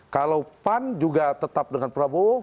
kalau pan juga tetap dengan prabowo